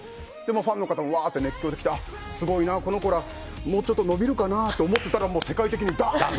ファンの方、熱狂しててすごいな、この子らもうちょっと伸びるかなって思ってたら世界的にダーン！